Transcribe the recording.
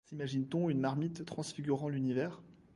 S'imagine-t-on une marmite transfigurant l'univers?